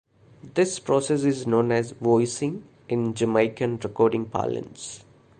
This process is known as "voicing" in Jamaican recording parlance.